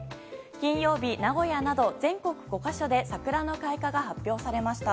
金曜日、名古屋など全国５か所で桜の開花が発表されました。